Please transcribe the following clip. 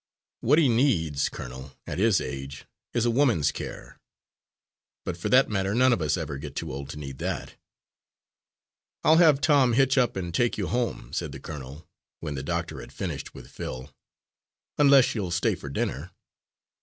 "What he needs, colonel, at his age, is a woman's care. But for that matter none of us ever get too old to need that." "I'll have Tom hitch up and take you home," said the colonel, when the doctor had finished with Phil, "unless you'll stay to dinner."